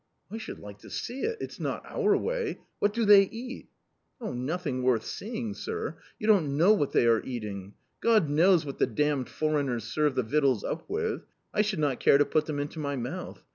" "I should like to see it; it's not our way! What do they eat ?"" Oh, nothing worth seeing, sir ! You don't know what you are eating. God knows what the damned foreigners serve the victuals up with ; I should not care to put them into my mouth.